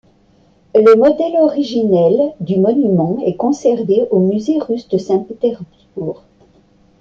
Le modèle originel du monument est conservé au Musée russe de Saint-Pétersbourg.